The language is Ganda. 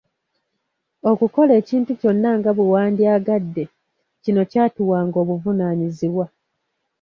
Okukola ekintu kyonna nga bwewandyagadde, kino kyatuwanga obuvunaanyizibwa.